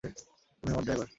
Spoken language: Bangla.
তুমি আমার ড্রাইভার!